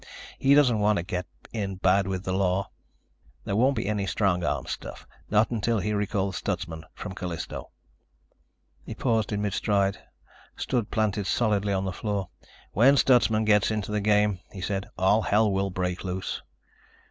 He doesn't want to get in bad with the law. There won't be any strong arm stuff ... not until he recalls Stutsman from Callisto." He paused in mid stride, stood planted solidly on the floor. "When Stutsman gets into the game," he said, "all hell will break loose."